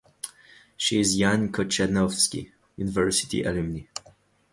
She is Jan Kochanowski University alumni.